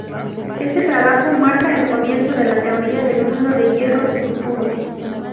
Este trabajo marca el comienzo de la teoría del mundo de hierro-sulfuro.